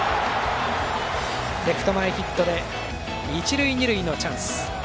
レフト前ヒットで一塁、二塁のチャンス。